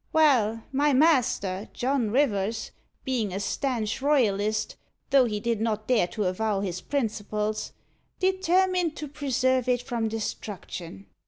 Well, my master, John Rivers, being a stanch Royalist, though he did not dare to avow his principles, determined to preserve it from destruction.